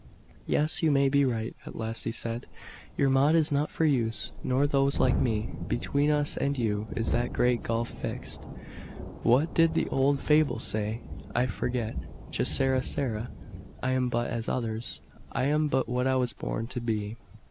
"Yes, you may be right," at last he said. "Your Maud is not for me, nor those like me. Between us and you is that 'great gulf fixed;' what did the old fable say? I forget. Che sara sara! I am but as others: I am but what I was born to be."